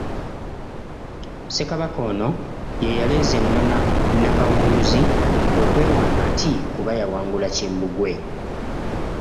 Ssekabaka ono ye yaleeza ennoma Nnakawanguzi, okwewaana nti kuba yawangula Kimbugwe.